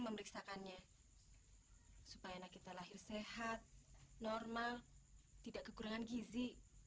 memeriksa kannya hai supaya kita lahir sehat normal tidak kekurangan gizi